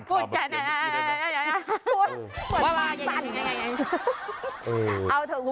พี่ค่ะ